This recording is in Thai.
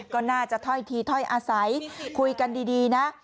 ก็น่าจะถ้อยทีถ้อยอาศัยคุยกันดีนะ